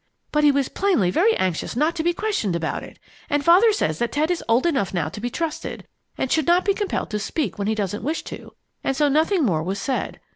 "But he was plainly very anxious not to be questioned about it. And Father says that Ted is old enough now to be trusted, and should not be compelled to speak when he doesn't wish to, and so nothing more was said.